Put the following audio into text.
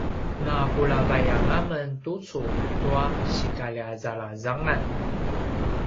napulavay anga men tucu tua sikalja zalangzangan